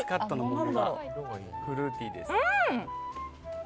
フルーティーです。